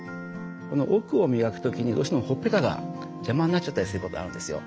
この奥を磨く時にどうしてもほっぺたが邪魔になっちゃったりすることあるんですよ。